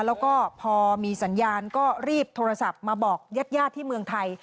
แล้วก็พอมีสัญญาณก็รีบโทรศัพท์มาบอกญาติที่เมืองไทย